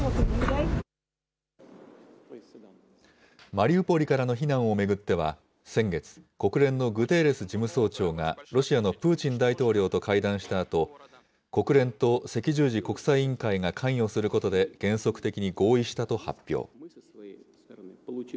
マリウポリからの避難を巡っては先月、国連のグテーレス事務総長がロシアのプーチン大統領と会談したあと、国連と赤十字国際委員会が関与することで原則的に合意したと発表。